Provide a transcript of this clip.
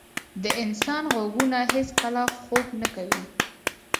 د انسان غوږونه هیڅکله خوب نه کوي.